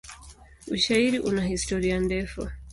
Ushairi una historia ndefu.